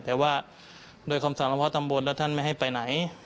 แต่ว่าโดยคำสั่งเฉพาะตำบลแล้วท่านไม่ให้ไปไหน